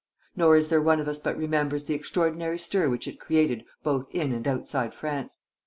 Nor is there one of us but remembers the extraordinary stir which it created both in and outside France.